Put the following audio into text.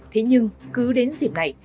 thế nhưng cứ đến dịp này